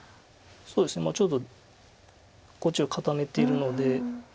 そうですねちょっとこっちを固めているので。